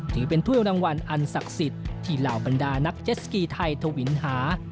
ถือเป็นถ้วยรางวัลอันศักดิ์สิทธิ์ที่เหล่าบรรดานักเจสกีไทยทวินหา